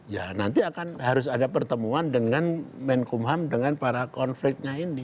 ya nanti akan harus ada pertemuan dengan menkumham dengan para konfliknya ini